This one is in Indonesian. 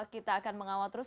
kita akan mengawal terus